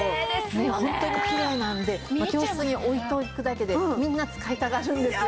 もうホントにきれいなんで教室に置いておくだけでみんな使いたがるんですよ。